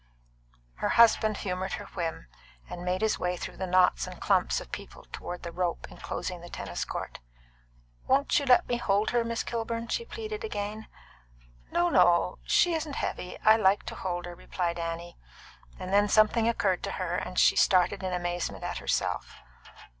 Her husband humoured her whim, and made his way through the knots and clumps of people toward the rope enclosing the tennis court. "Won't you let me hold her, Miss Kilburn?" she pleaded again. "No, no; she isn't heavy; I like to hold her," replied Annie. Then something occurred to her, and she started in amazement at herself.